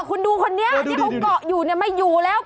คุณดูคนนี้ที่ผมเกาะอยู่เนี่ยไม่อยู่แล้ว